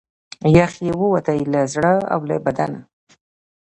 یخ یې ووتی له زړه او له بدنه